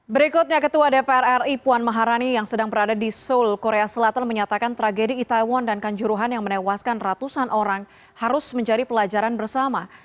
berikutnya ketua dpr ri puan maharani yang sedang berada di seoul korea selatan menyatakan tragedi itaewon dan kanjuruhan yang menewaskan ratusan orang harus menjadi pelajaran bersama